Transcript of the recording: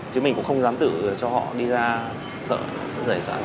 chứ mình cũng không dám tự cho họ đi ra sở sở giải sản